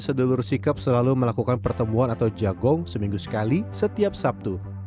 sedulur sikap selalu melakukan pertemuan atau jagong seminggu sekali setiap sabtu